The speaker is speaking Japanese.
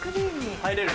入れる。